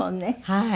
はい。